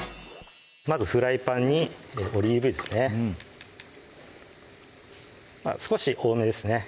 まずフライパンにオリーブ油ですね少し多めですね